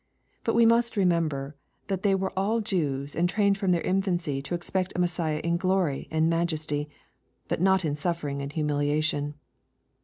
But we must remember that they were all Jews, and trained from their infancy to expect a Messiah in glory and majesty, but not in suffering and humiliation.